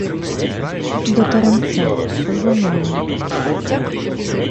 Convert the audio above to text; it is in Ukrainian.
— До теремця. Жоною.